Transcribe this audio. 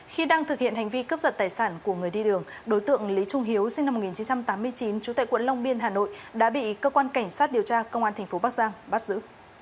khi đang thực hiện hành vi cướp giật tài sản của người đi đường đối tượng lý trung hiếu sinh năm một nghìn chín trăm tám mươi chín chủ tệ quận long biên hà nội đã bị cơ quan cảnh sát điều tra công an tp bắc giang bắt giữ